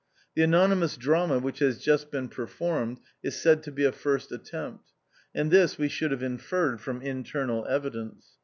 The monymous drama which has just been per formed, is said to be a first attempt ; and this we should have inferred from internal evidence.